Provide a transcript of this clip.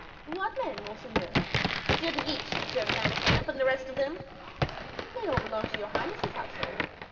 "What men, monseigneur?" "M. de Guiche, M. de Manicamp, and the rest of them?" "They all belong to your highness's household."